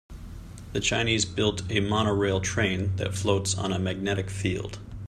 The Chinese built a monorail train that floats on a magnetic field.